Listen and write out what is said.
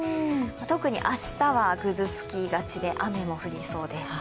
特に明日はぐずつきがちで、雨も降りそうです。